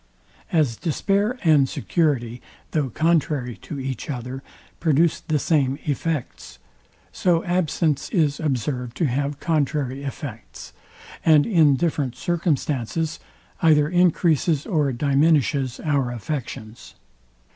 As despair and security, though contrary to each other, produce the same effects; so absence is observed to have contrary effects, and in different circumstances either encreases or diminishes our affections.